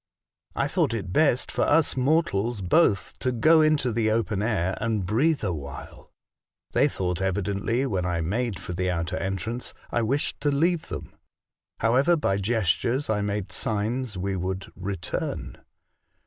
I thought it best for us mortals both to go into the open air and breathe awhile. They thought evidently, when I made for the outer entrance, I wished to leave them. However, by gestures I made signs we would return.